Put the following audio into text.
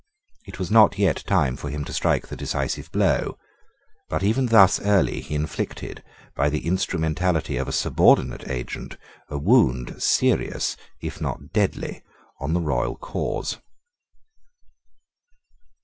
It was not yet time for him to strike the decisive blow. But even thus early he inflicted, by the instrumentality of a subordinate agent, a wound, serious if not deadly, on the royal cause.